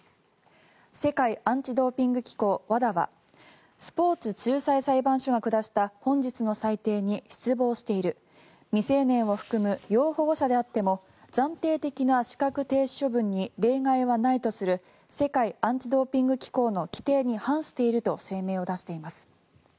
世界アンチ・ドーピング機構＝ＷＡＤＡはスポーツ仲裁裁判所が下した本日の裁定に失望している未成年を含む要保護者であっても暫定的な資格停止処分に例外はないとする世界アンチ・ドーピング機構の規定に反していると声明を出しています。